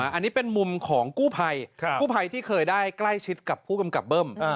อันนี้เป็นมุมของกู้ภัยกู้ภัยที่เคยได้ใกล้ชิดกับผู้กำกับเบิ้ม